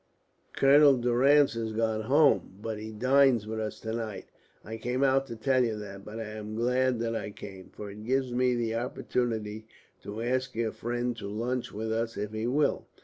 "Colonel Durrance has gone home, but he dines with us to night. I came out to tell you that, but I am glad that I came, for it gives me the opportunity to ask your friend to lunch with us if he will."